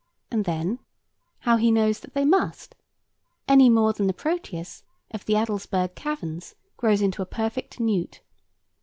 and then, how he knows that they must, any more than the Proteus of the Adelsberg caverns grows into a perfect newt.